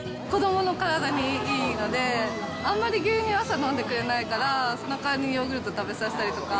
子どもの体にいいので、あんまり牛乳朝飲んでくれないから、そのかわりにヨーグルトを食べさせたりとか。